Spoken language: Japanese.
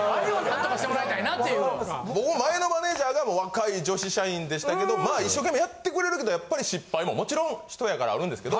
僕も前のマネジャーが若い女子社員でしたけどまあ一生懸命やってくれるけどやっぱり失敗ももちろん人やからあるんですけど。